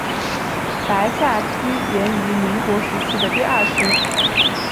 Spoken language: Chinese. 白下区源于民国时期的第二区。